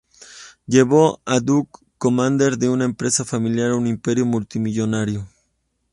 Llevó a Duck Commander de una empresa familiar a un imperio multimillonario.